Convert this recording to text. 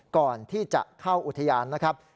ก่อนที่จะเข้าอุทยานนะครับ